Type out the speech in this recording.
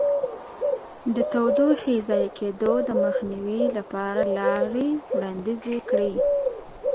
د تودوخې ضایع کېدو د مخنیوي لپاره لارې وړاندیز کړئ.